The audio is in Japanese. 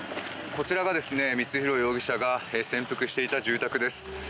こちらが光弘容疑者が潜伏していた住宅です。